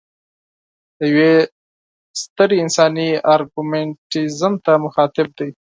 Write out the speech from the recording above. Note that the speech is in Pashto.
د یوې سترې انساني ارګومنټیزم ته مخاطب دی.